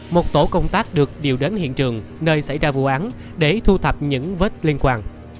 một tổ công tác được điều đến hiện trường nơi xảy ra vụ án để thu thập những vết liên quan